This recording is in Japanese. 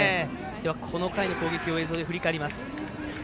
この回の攻撃を映像で振り返ります。